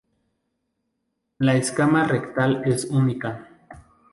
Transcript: La escama rectal es única.